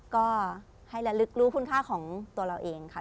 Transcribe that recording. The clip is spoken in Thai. ก็ให้ระลึกรู้คุณค่าของตัวเราเองค่ะ